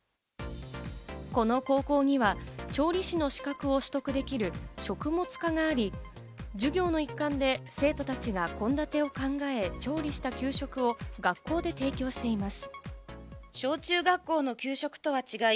この高校には調理師の資格を取得できる食物科があり、授業の一環で生徒たちが献立を考え、調理した給食を学校で提供しています。